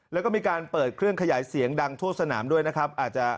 แล้วก็มีการเปิดเครื่องขยายเสียงดังทั่วสนามด้วยนะครับอาจจะ